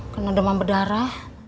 kena demam berdarah